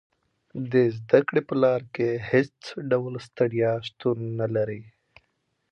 د زده کړې په لار کې هېڅ ډول ستړیا شتون نه لري.